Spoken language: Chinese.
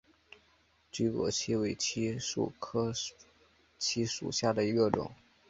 巨果槭为槭树科槭属下的一个种。